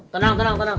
tenang tenang tenang